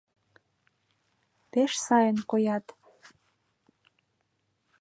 — Пеш сайын коят.